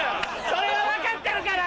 それは分かってるから！